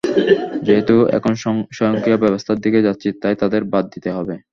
যেহেতু এখন স্বয়ংক্রিয় ব্যবস্থার দিকে যাচ্ছি, তাই তাঁদের বাদ দিতেই হবে।